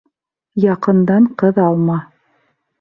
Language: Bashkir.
Яҡындан ҡыҙ алма.